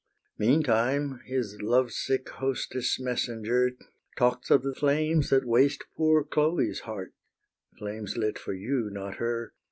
Meantime his lovesick hostess' messenger Talks of the flames that waste poor Chloe's heart (Flames lit for you, not her!)